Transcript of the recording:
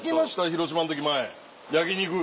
広島の時前焼き肉。